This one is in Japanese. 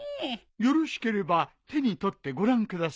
よろしければ手に取ってご覧ください。